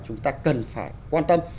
chúng ta cần phải quan tâm